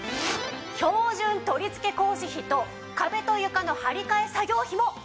標準取り付け工事費と壁と床の張り替え作業費も込み込みです。